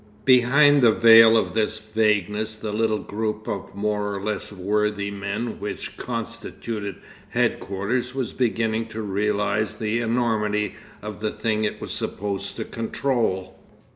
Behind the veil of this vagueness the little group of more or less worthy men which constituted Headquarters was beginning to realise the enormity of the thing it was supposed to control....